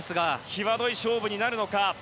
きわどい勝負になるのか。